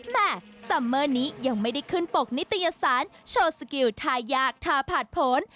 ซัมเมอร์นี้ยังไม่ได้ขึ้นปกนิตยสารโชว์สกิลทายากทาผ่านผล